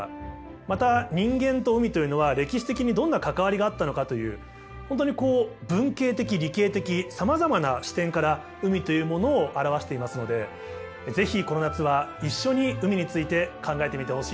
また人間と海というのは歴史的にどんな関わりがあったのかという本当にこう文系的理系的さまざまな視点から海というものを表していますので是非この夏は一緒に海について考えてみてほしいと思います。